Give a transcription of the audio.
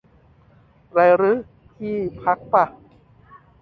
ไรรึ ที่พักป่ะ ?